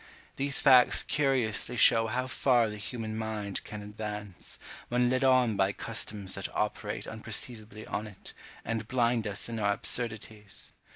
These facts curiously show how far the human mind can advance, when led on by customs that operate unperceivably on it, and blind us in our absurdities.